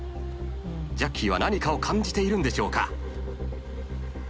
ジャッキーは何かを感じているんでしょうか？